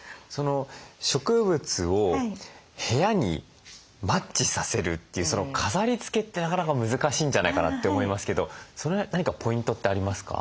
植物を部屋にマッチさせるというその飾りつけってなかなか難しいんじゃないかなって思いますけどその辺何かポイントってありますか？